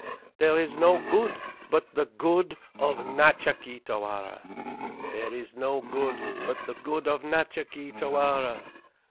"THERE IS NO GOOD BUT THE GOOD OF NATCHA KEE TAWARA." "There is no good but the good of Natcha Kee Tawara."